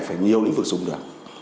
phải nhiều lĩnh vực dùng được